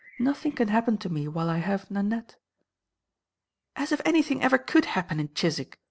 Nothing can happen to me while I have Nanette." "As if anything ever could happen in Chiswick!"